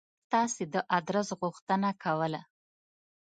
ما ستاسې د آدرس غوښتنه کوله.